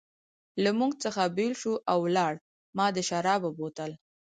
له موږ څخه بېل شو او ولاړ، ما د شرابو بوتل.